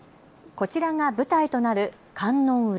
こちらが舞台となる観音裏。